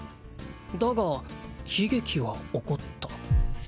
「だが悲劇は起こった」